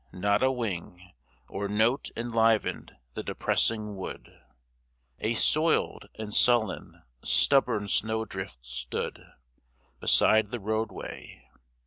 Not a wing Or note enlivened the depressing wood; A soiled and sullen, stubborn snowdrift stood Beside the roadway.